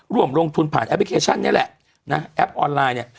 ร่วมลงทุนผ่านแอปพลิเคชันนี่แหละนะแอปออนไลน์เนี่ย